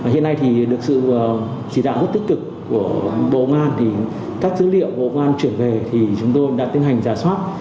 hiện nay thì được sự chỉ đạo rất tích cực của bố an thì các dữ liệu bố an chuyển về thì chúng tôi đã tiến hành giả soát